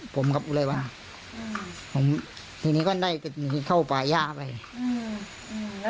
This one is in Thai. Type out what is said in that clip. ผมกับอุลัยวันอืมผมทีนี้ก็ได้หนีเข้าป่าย่าไปอืม